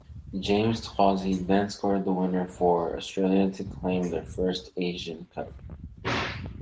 James Troisi then scored the winner for Australia to claim their first Asian Cup.